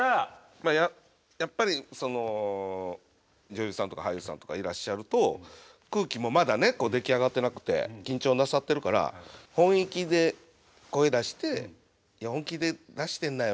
まあやっぱりその女優さんとか俳優さんとかいらっしゃると空気もまだね出来上がってなくて緊張なさってるから本意気で声出して「本気で出してるなよ！」